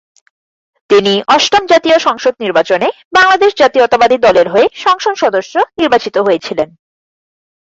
তিনি অষ্টম জাতীয় সংসদ নির্বাচনে বাংলাদেশ জাতীয়তাবাদী দলের হয়ে সংসদ সদস্য নির্বাচিত হয়েছিলেন।